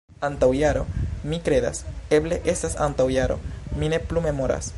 Antaŭ jaro, mi kredas... eble estas antaŭ jaro. Mi ne plu memoras